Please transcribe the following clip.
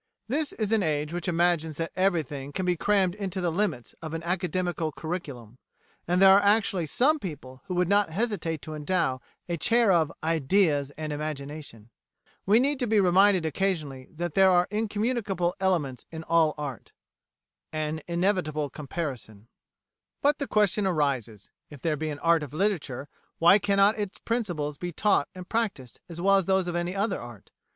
This is an age which imagines that everything can be crammed into the limits of an academical curriculum; and there are actually some people who would not hesitate to endow a chair of "Ideas and Imagination." We need to be reminded occasionally that there are incommunicable elements in all art. An Inevitable Comparison But the question arises: If there be an art of literature, why cannot its principles be taught and practised as well as those of any other art?